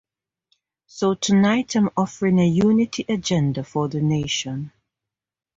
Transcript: So tonight I’m offering a Unity Agenda for the Nation.